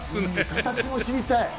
形も知りたい。